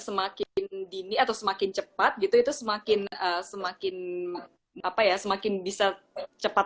semakin dini atau semakin cepat gitu itu semakin semakin apa ya semakin bisa cepat